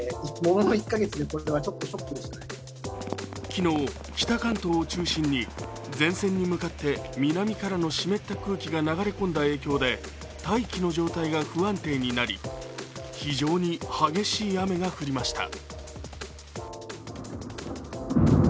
昨日、北関東を中心に前線に向かって南からの湿った空気が流れ込んだ影響で待機の状態が不安定になり非常に激しい雨が降りました。